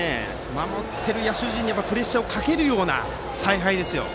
守っている野手陣にプレッシャーをかけるような采配ですよね。